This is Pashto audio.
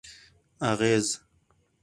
اغېز: